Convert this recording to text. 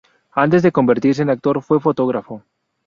Antes de convertirse en actor fue fotógrafo.